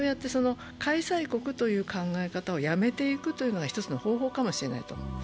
開催国という考え方をやめていくというのは１つの方法かもしれない